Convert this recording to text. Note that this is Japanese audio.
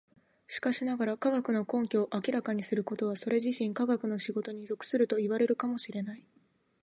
しかしながら、科学の根拠を明らかにすることはそれ自身科学の仕事に属するといわれるかも知れない。